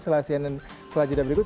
setelah cnn selajar dan berikut